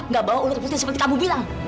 enggak bawa ular putih seperti kamu bilang